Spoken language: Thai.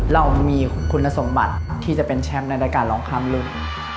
เรามีคุณสมบัติที่จะเป็นแชมป์ในรายการร้องข้ามรุ่น